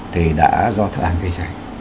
thì đã do thợ hàng cháy